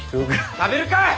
食べるかい！